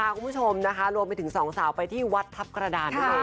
คุณผู้ชมนะคะรวมไปถึงสองสาวไปที่วัดทัพกระดานด้วย